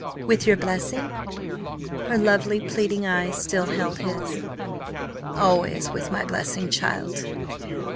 "With your blessing?" Her lovely, pleading eyes still held his. "Always with my blessing, child.